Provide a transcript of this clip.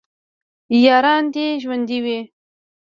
یاران دې ژوندي وي